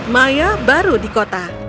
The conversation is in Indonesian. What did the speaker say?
maya baru di kota